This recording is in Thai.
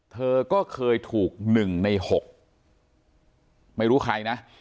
เธอก็เคยถูกหนึ่งในหกไม่รู้ใครนะ